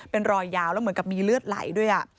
เป็นรอยยาวแล้วเหมือนกับมีเลือดไหลด้วย